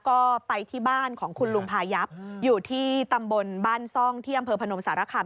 ก็ไปที่บ้านของคุณลุงพายับอยู่ที่ตำบลบ้านซ่องที่อำเภอพนมสารคาม